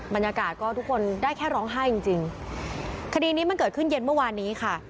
บรรยากาศก็ทุกคนได้แค่ร้องไห้จริงจริงคดีนี้มันเกิดขึ้นเย็นเมื่อวานนี้ค่ะ